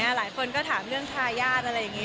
หลายคนก็ถามเรื่องทายาทอะไรอย่างนี้